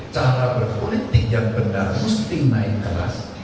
cara berpolitik yang benar